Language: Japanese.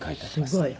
「すごい」